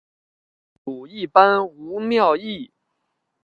后主一般无庙谥。